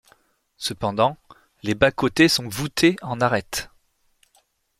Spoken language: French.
Cependant, les bas-côtés sont voûtés en arêtes.